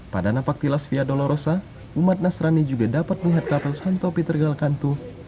pada napak tilas via dolorosa umat nasrani juga dapat melihat kapal santo peter galcantu